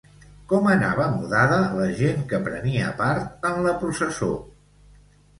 Com anava mudada la gent que prenia part en la processó?